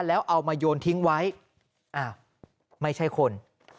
แล้วเอามาโยนทิ้งไว้อ้าวไม่ใช่คน